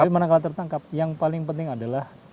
tapi manakala tertangkap yang paling penting adalah